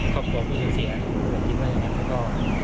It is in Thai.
ครอบครัวผู้สูญเสียโดยก็ยิ่งว่าอย่างนั้น